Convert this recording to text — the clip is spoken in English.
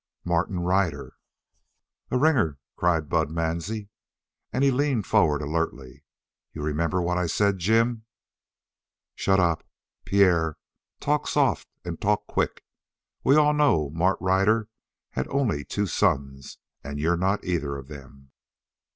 "Martin Ryder." "A ringer!" cried Bud Mansie, and he leaned forward alertly. "You remember what I said, Jim?" "Shut up. Pierre, talk soft and talk quick. We all know Mart Ryder had only two sons and you're not either of them."